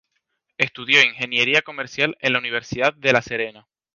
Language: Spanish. Estudió Ingeniería comercial en la Universidad de La Serena.